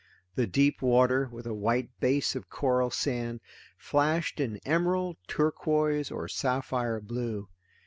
The deep water, with a white base of coral sand, flashed in emerald, turquoise, or sapphire blue.